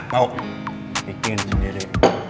mau bikin sendiri